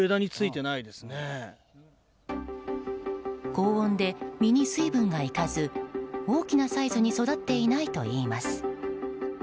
高温で実に水分が行かず大きなサイズに育っていないといいます。